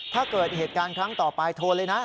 ถ้าเกิดเหตุการณ์ครั้งต่อไปโทรเลยนะ